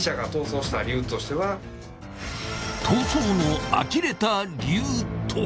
［逃走のあきれた理由とは？］